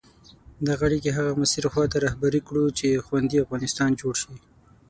دغه اړیکي هغه مسیر خواته رهبري کړو چې خوندي افغانستان جوړ شي.